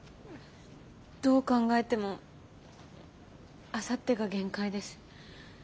どう考えてもあさってが限界です。